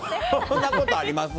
そんなことあります？